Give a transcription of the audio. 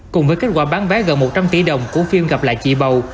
cùng với kết quả bán vé gần một trăm linh tỷ đồng của phim gặp lại chị bầu